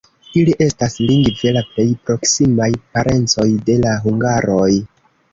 Ili estas lingve la plej proksimaj parencoj de la hungaroj.